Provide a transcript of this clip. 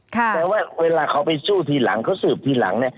แต่ว่าเวลาเขาซื้อทีหลัง